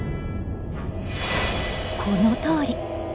このとおり。